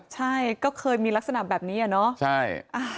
ใช่ก็เคยมีลักษณะแบบนี้